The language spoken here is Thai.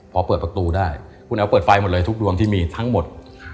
พอเปิดประตูได้คุณแอ๋วเปิดไฟหมดเลยทุกดวงที่มีทั้งหมด